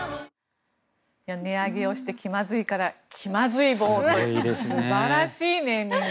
値上げをして気まずいからきまずい棒という素晴らしいネーミング。